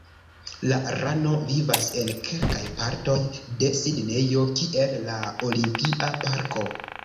La rano vivas en kelkaj partoj de Sidnejo, kiel la olimpia parko.